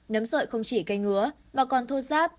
nấm sợi không chỉ cây ngứa mà còn thô giáp